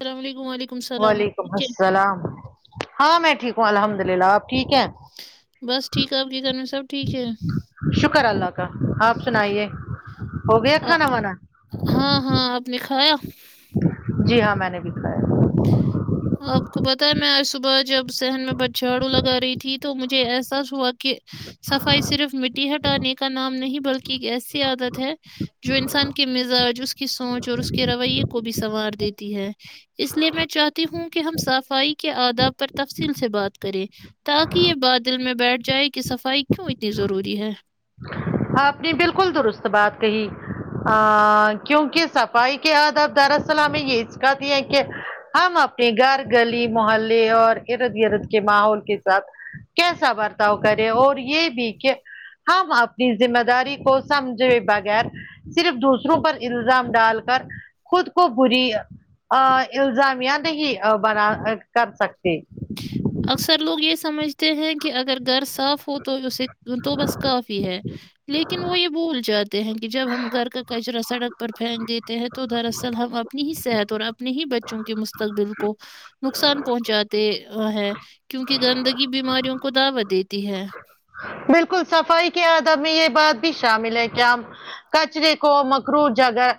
السلام علیکم وعلیکم السلام وعلیکم ٹھیک ہے السلام ہاں میں ٹھیک ہوں الحمد للہ آپ ٹھیک ہیں بس ٹھیک ہے آپ کے گھر میں سب ٹھیک ہے شکر اللہ کا آپ سنائیے ہو گیا آ- کھانا وانا ہاں ہاں آپ نے کھایا جی ہاں میں نے بھی کھایا آپ کو پتا ہے میں آج صبح جب صحن میں بج جھاڑو لگا رہی تھی تو مجھے احساس ہوا کہ صفائی صرف مٹی ہٹانے کا نام نہیں بلکہ ایک ایسی عادت ہے جو انسان کے مزاج اس کی سوچ اور اس کے رویے کو بھی سنوار دیتی ہے اس لیے میں چاہتی ہوں کہ ہم صفائی کے آداب پر تفصیل سے بات کریں تاکہ یہ بات دل میں بیٹھ جائے کہ صفائی کیوں اتنی ضروری ہے آپ نے بالکل درست بات کہی ا کیونکہ صفائی کے آداب دراصل ہمیں یہ سکھاتی ہیں کہ ہم اپنے گھر گلی محلے اور ارد گرد کے ماحول کے ساتھ کیسا برتاؤ کرے اور یہ بھی کہ ہم اب ذمہ داری کو سمجھے بغیر صرف دوسروں پر الزام ڈال کر خود کو بری الزامیہ نہیں بنا کر سکتے اکثر لوگ یہ سمجھتے ہیں کہ اگر گھر صاف ہو تو اسے تو بس کافی ہے لیکن وہ یہ بھول جاتے ہیں کہ جب ہم گھر کا کچرا سڑک پر پھینک دیتے ہیں تو دراصل ہم اپنی ہی صحت اور اپنے ہی بچوں کے مستقبل کو نقصان پہنچاتے ہیں ا کیونکہ گندگی بیماریوں کو دعوت دے تی ہے بالکل صفائی کے آداب میں یہ بات بھی شامل ہے کے ہم کچرے کو مکرو جگہ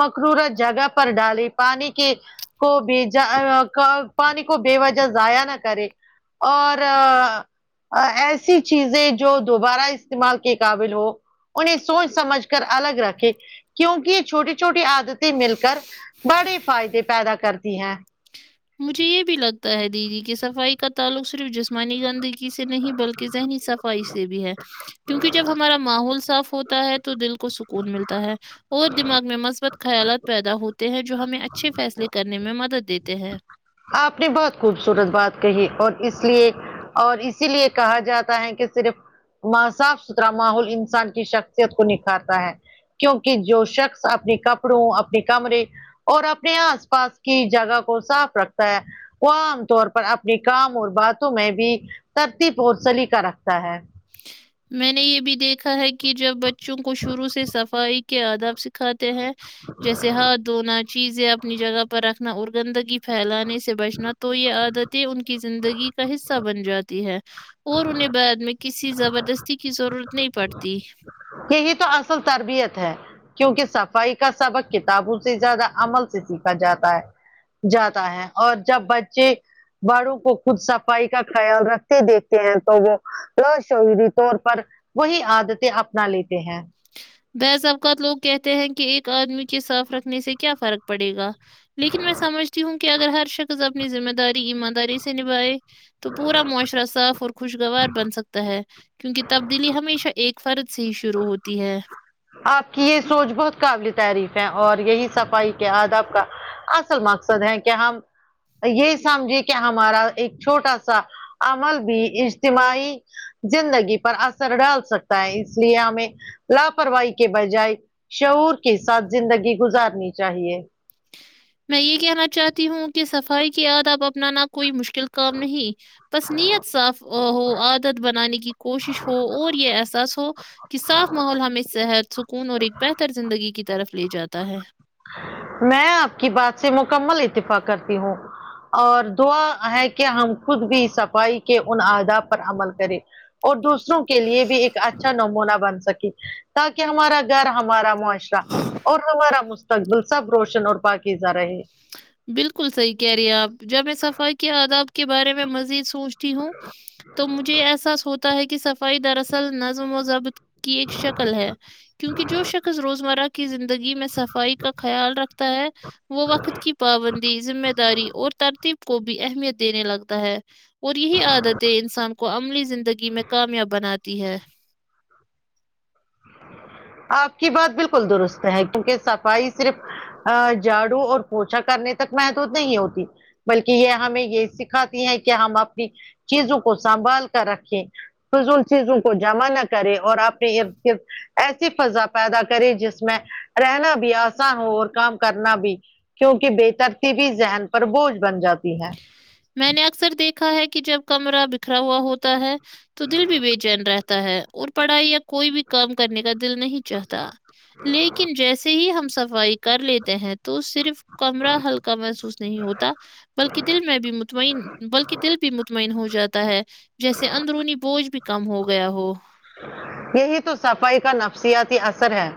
مکرور جگہ پر ڈالی پانی کی کو بجا پانی کو بے وجہ ضائع نہ کرے اور ای سی چیزیں جو دوبارہ استعمال کے قابل ہو انہیں سوچ سمجھ کر الگ رکھے کیونکہ یہ چھوٹی چھوٹی عادتیں مل کر بڑے فائدے پیدا کرتی ہیں مجھے یہ بھی لگتا ہے دیدی کہ صفائی کا تعلق صرف جسمانی گندگ ی سے نہیں بلکہ ذہنی صفائی سے بھی ہے کیونکہ جب ہمارا ماحول صاف ہو ٹا ہے تو دل کو سکون ملتا ہے اور دماغ میں مثبت خیالات پیدا ہوتے ہیں جو ہمیں اچھے فیصلے کرنے میں مدد دیتے ہیں آپ نے بہت خوبصورت بات کہی اور اس لیے اور اسی لیے کہا جاتا ہے کہ صرف صاف ستھرا ماحول انسان کی شخصیت کو نکھارتا ہے کیونکہ جو شخص اپنے کپڑوں اپنے کمرے اور اپنے آس پاس کی جگہ کو صاف رکھ تا ہے وہ عام طور پر اپنے کام اور باتوں میں بھی ترتیب اور سلیقہ رکھتا ہے میں نے یہ بھی دیکھا ہے کہ جب بچوں کو شروع سے صفائی کے آداب سی کھاتے ہیں جیسے ہاتھ دھونا چیزیں اپنی جگہ پر رکھنا اور گندگی پھیلانے سے بچنا تو یہ عادتیں ان کی زندگی کا حصہ بن جاتی ہے اور انہیں بعد میں کسی زبردست تی کی ضرورت نہیں پڑتی یہی تو اصل تربیت ہے کیونکہ صفائی کا سبق کتابوں سے زیادہ عمل سے سیکھا جاتا ہے جاتا ہے اور جب بچے بڑوں کو خود صفائی کا خیال رکھتے دیکھتے ہیں تو وہ لا شعوری طور پر وہی عادتیں اپنا لیتے ہیں بعض اوقات لوگ کہتے ہیں کہ ایک آدمی کے صاف رکھنے سے کیا فرق پڑے گا لیکن میں سمجھتی ہوں کہ اگر ہر شخص اپنی ذمہ داری ایمانداری سے نبھائے تو پورا معاشرہ صاف اور خوشگوار بن سکتا ہے کیونکہ تبدیلی ہمیشہ ایک فرد سے ہی شروع ہوتی ہے آپ کی یہ سوچ بہت قابل تعریف ہے اور یہی صفائی کے آداب کا اصل مقصد ہے کہ ہم یہ سمجھیے کہ ہمارا ایک چھوٹا سا عمل بھی اجتماعی زندگی پر اثر ڈال سکتا ہے اس لیے ہمیں لاپرواہی کے بجائے شعور کے ساتھ زندگی گزارنی چاہیے میں یہ کہنا چاہتی ہوں کہ صفائی کے ادب اپنانا کوئی مشکل کام نہیں بس نیت صاف ہو عادت بنانے کی کوشش ہو اور یہ احساس ہو کہ صاف ماحول ہمیں صحت سکون اور ایک بہتر زندگی کی طرف لے جاتا ہے میں آپ کی بات سے مکمل اتفاق کرتی ہوں اور دعا ہے کہ ہم خود بھی صفائی کے ان آداب پر عمل کریں اور دوسروں کے لیے بھی ایک اچھا نمونہ بن سکے تاکہ ہمارا گھر ہمارا معاشرہ اور ہمارا مس ت گلسب روشن اور پاکیزا رہے بالکل صحیح کہہ رہی ہیں آپ جب میں صفائی کے آداب کے بارے میں مزید سوچتی ہوں تو مجھے یہ احساس ہوتا ہے کہ صفائی دراصل نظم و ضبط کی ایک شکل ہے کیونکہ جو شکل روزمرہ کی زندگی میں صفائی کا خیال رکھ تا ہے وہ وقت کی پابندی ذمہ داری اور ترتیب کو بھی اہمیت دینے لگتا ہے اور یہی عادتیں انسان کو عملی زندگی میں کامیاب بناتی ہے آپ کی بات بالکل درست ہے کیونکہ صفائی صرف ا جھاڑو اور پوچھا کرنے تک محدود نہیں ہوتی بلکہ یہ ہمیں یہ سکھاتی ہے کہ ہم اپنی چیزوں کو سنبھال کر رکھیں فضول چیزوں کو جمع نہ کرے اور آپ نے یہ کہ ایسی فضا پیدا کرے جس میں رہنا بھی آسان ہو اور کام کرنا بھی کیونکہ بےتریتبی ذہن پر بوجھ بن جاتی ہے میں نے اکثر دیکھا ہے کہ جب کمرہ بکھرا ہوا ہوتا ہے تو دل بھی بےچین رہ تا ہے اور پڑھائی یا کوئی بھی کام کرنے کا دل نہیں چاہتا لیکن جیسے ہی ہم صفائی کر لیتے ہیں تو صرف کمرہ ہلکا محسوس نہیں ہوتا بلکہ دل میں بھی مط مئن بلکہ دل بھی مطمئن ہو جاتا ہے جیسے اندرونی بوجھ بھی کم ہو گیا ہو یہی تو صفائی کا نفسیاتی اثر ہے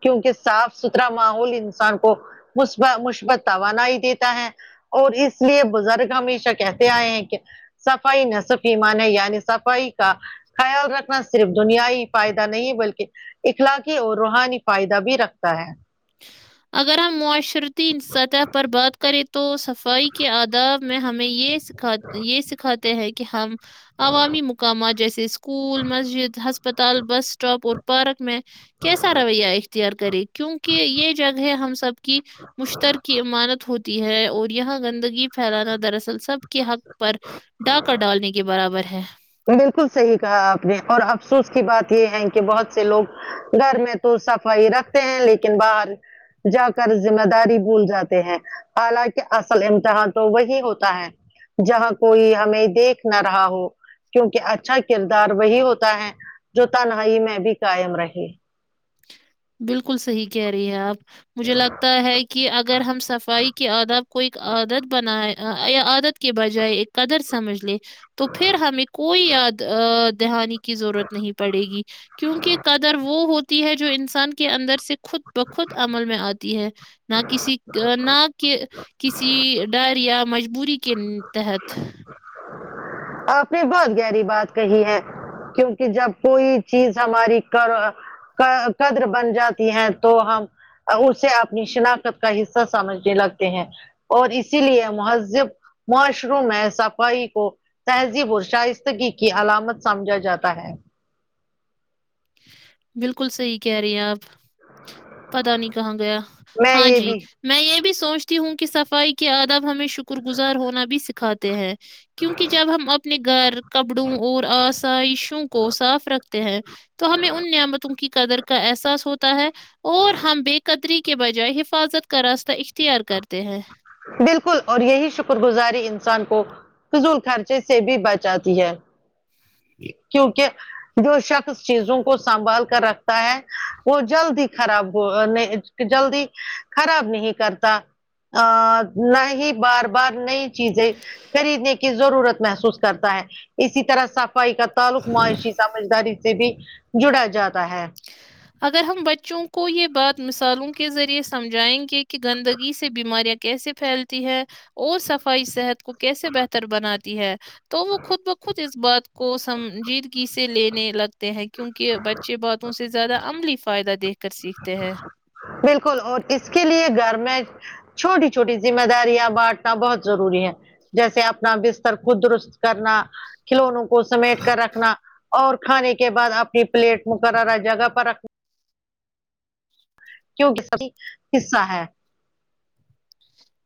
کیونکہ صاف ستھرا ماحول انسان کو مثبا مثبت توانا ہی دیتا ہے اور اس لیے بزرگ ہمیشہ کہتے آئے ہیں کہ صفائی نصف ایمان ہے یعنی صفائی کا خیال رکھ صرف دنیائی فائدہ نہیں بلکہ اخلاقی اور روحانی فائدہ بھی رکھتا ہے اگر ہم معاشرتی سطح پر بات کریں تو صفائی کے آداب میں ہمیں یہ سکھات یہ سکھاتے ہیں کہ ہم عوامی مقامات جیسے اسکول مسجد ہسپتال بس اسٹاپ اور پارک میں کیسا رویہ اختیار کرے کیونکہ یہ جگ ہے ہم سب کی مشترکی امانت ہوتی ہے اور یہاں گندگی پھیلانا دراصل سب کے حق پر ڈاکا ڈالنے کے برابر ہے بالکل صحیح کہا آپ نے اور افسوس کی بات یہ ہے کہ بہت سے لوگ گھر میں تو صفائی رکھتے ہیں لیکن باہر جا کر ذمہ داری بھول جاتے ہیں حالاکہ اصل امتحان تو وہی ہوتا ہے جہاں کوئی ہمیں دیکھ نہ رہا ہو کیونکہ اچھا کردار وہی ہوتا ہے جو تنہائی میں بھی قائم رہے بالکل صحیح کہہ رہی ہیں آپ مجھے لگتا ہے کہ اگر ہم صفائی کے آداب کو ایک عادت بنائے ا یا عادت کے بجائے ایک قدر سمجھ لے تو پھر ہمیں کوئی یاد ا دہانی کی ضرورت نہیں پڑے گی کیونکہ قدر وہ ہوتی ہے جو انس سان کے اندر سے خود بخود عمل میں آتی ہے نہ کسی نہ کہ کسی ڈر یا مجبوری کے تحت آپ نے بہت گہری بات کہی ہے کیونکہ جب کوئی چیز ہماری کر ا کہ قدر بن جاتی ہیں تو ہم ا اسے اپنی شناخت کا حصہ سمجھنے لگتے ہیں اور اسی لیے مہذب معشرو میں صفائی کو تہذیب اور شائستگی کی علامت سمجھا جاتا ہے بالکل صحیح کہہ رہی ہیں آپ پتا نہیں کہاں گیا میں ہاں یہ جی بھی میں یہ بھی سوچتی ہوں کہ صفائی کے آدب ہمیں شکر گزار ہونا بھی سکھ اتے ہیں کیونکہ جب ہم اپنے گھر کپڑوں اور آسائشوں کو صاف رکھتے ہیں ہمیں ان نعمتوں کی قدر کا احساس ہوتا ہے اور ہم بے ک قدری کے بجائے حفاظت کا راستہ اختیار کرتے ہیں بالکل اور یہی شکر گزاری انسان کو فضول خرچے سے بھی بچاتی ہے کیونکہ جو شخص چیزوں کو سنبھال کر رکھتا ہے وہ جلد ہی خراب ہوگا نہی جلدی خراب نہیں کرتا ا نہ ہی بار بار نئی چیزیں خریدنے کی ضرورت محسوس کرتا ہے اسی طرح سب کا تعلق معاشی سمجھداری سے بھی جڑا جاتا ہے اگر ہم بچوں کو یہ بات مثالوں کے ذریعے سمجھائیں گے کہ گندگی سے بیماریاں کیسے پھیلتی ہے اور صفائی صحت کیسے بہتر بناتی ہے تو وہ خود بخود اس بات کو سنجیدگی سے سے لینے لگتے ہیں کیونکہ بچے باتوں سے زیادہ عملی فائدہ دیکھ کر سیکھتے ہیں بالکل اور اس کے لیے گھر میں چھوٹی چھوٹی ذمہ داریاں بانٹنا بہت ضروری ہے جیسے اپنا بستر خود درست کرنا کھلونوں کو سمیٹ کر رکھنا اور کھانے کے بعد اپنی پلیٹ مقررہ جگہ پر رکھ کیونکہ حصہ ہے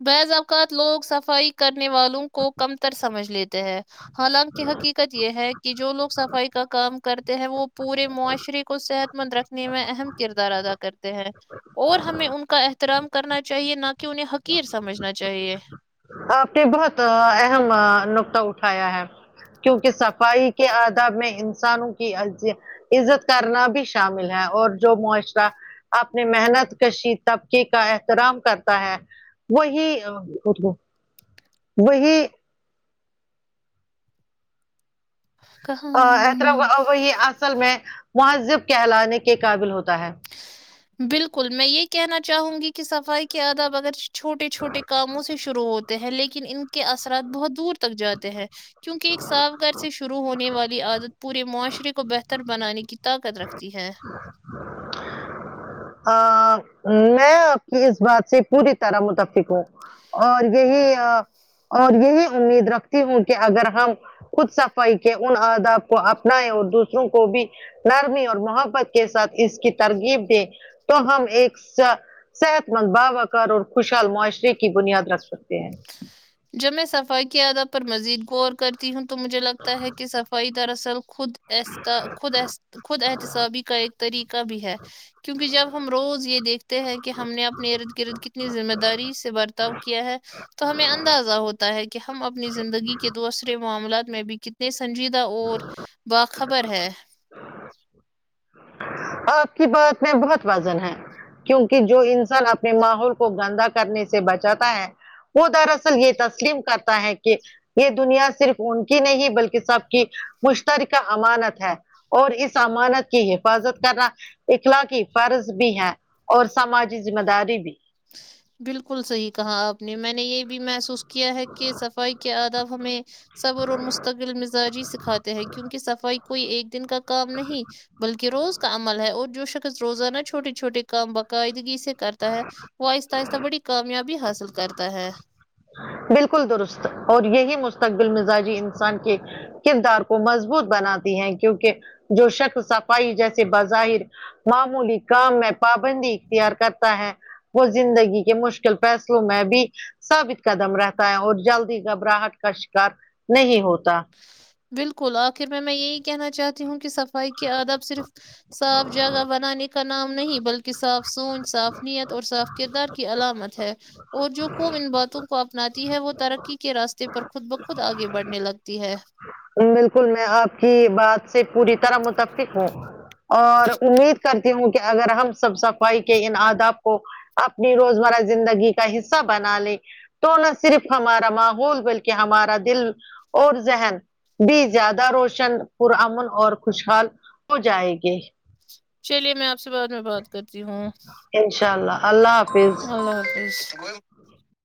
بعض اوقات لوگ صفائی کرنے والوں کو کمتر سمجھ لے تے ہے ہاں حالانکہ حقیقت یہ ہے کہ جو لوگ صفائی کا کام کرتے ہیں وہ پورے معاشرے کو صحت مند رکھنے میں اہم کردار ادا کر تے ہیں اور ہمیں ان کا احترام کرنا چاہیے نہ کہ انہیں حقیر سمجھنا چاہیے آپ نے بہت آ اہم نکتہ اٹھایا ہے کیونکہ صفائی کے آداب میں ان انسانوں کی عز عزت کرنا بھی شامل ہے اور جو معاشرہ اپنے محنت کشی طبقے کا احترام کرتا ہے وہی وہی ا اتر کہاں وہی اصل میں مہذب کہلانے کے قابل ہوتا ہے بالکل میں یہ کہنا چاہوں گی کہ صفائی کے آداب اگر چھوٹے چھوٹے کاموں سے شروع ہوتے ہیں لیکن ان کے اثرات بہت دور تک جاتے ہیں کیونکہ ایک صاف گھر سے شروع ہونے والی عادت پورے معاشرے کو بہتر بنانے کی طاقت رکھتی ہے آں میں آپ کی اس بات سے پوری طرح متفق ہوں اور یہی ا اور یہی امید رکھتی ہوں کہ اگر ہم خود صفائی کے ان آداب کو اپنائے اور دوسروں کو بھی نرمی اور محبت کے ساتھ اس کی ترغیب دیں تو ہم ایک سا صحت مند باوقار اور خوشحال معاشرے کی بنیاد رکھ سکتے ہیں جب میں صفائی کی آداب پر مزید غور کرتی ہوں تو مجھے لگتا ہے کہ صفائی در اصل خود اس ت خود خود احتسابی کا ایک طریقہ بھی ہے کیونکہ جب ہم روز یہ دیکھتے ہیں کہ ہم نے اپنے ارد گرد کتنی ذمہ داری سے برتاؤ کیا ہے تو ہمیں اند دازہ ہوتا ہے کہ ہم اپنی زندگی کے دوسرے معاملات میں بھی کتنے سنجیدہ اور باق خبر ہے آپ کی بات میں بہت وزن ہے کیونکہ جو انسان اپنے ماحول کو گندا کرنے سے بچاتا ہے وہ دراصل یہ تسلیم کرتا ہے کہ یہ دنیا صرف ان کی نہیں بلکہ سب کی مشترکہ امانت ہے اور اس امانت کی حفاظت کرنا اخلاقی فرض بھی ہے اور سماجی ذمہ داری بھی بالکل صحیح کہا آپ نے میں نے یہ بھی محسوس کیا ہے کہ صفائی کے آدب ہمیں صبر اور مستقل مزاجی سکھاتے ہیں کیونکہ صفائی کوئی ایک دن کا کام نہیں بلکہ روز کا عمل ہے اور جو شخص روزانہ چھوٹے چھوٹے کام باقاعدگی سے کرتا ہے وہ آہستہ آہستہ بڑی کامیابی حاصل کرتا ہے بالکل درست اور یہی مستقبل مزاجی انسان کے کردار کو مضبوط بناتی ہیں کیونکہ جو شخص صفائی جیسے بظاہر معمولی کام میں پابندی اختیار کرتا ہے وہ زندگی کے مشکل فیصلوں میں بھی ثابت قدم رہتا ہے اور جلدی گھبراہٹ کا شکار نہیں ہوتا بالکل آخر میں میں یہی کہنا چاہتی ہوں کہ صف ائی کے آداب صرف صاف جگہ بنانے کا نام نہیں بلکہ صاف سوچ صاف نیت اور صاف کردار کی علامت ہے اور جو قوم ان باتوں کو اپناتی ہے وہ ترقی کے راستے پر خود بخود آگے بڑھنے لگتی ہے بالکل میں آپ کی بات سے پوری طرح متفق ہوں اور امید کرتی ہوں کہ اگر ہم سب صفائی کے ان آداب کو اپنی روزمرہ زندگی کا حصہ بنا لیں تو نہ صرف ہمارا ماحول بلکہ ہمارا دل اور ذہن بھی زیادہ روشن پرامن اور خوشحال ہو جائے گی چلیے میں آپ سے بعد میں بات کرتی ہوں انشاءاللہ اللہ حافظ اللہ حافظ